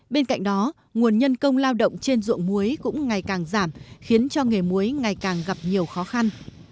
bên cạnh đó nguồn nhân công lao động trên ruộng muối cũng ngày càng giảm khiến cho nghề muối ngày càng gặp nhiều khó khăn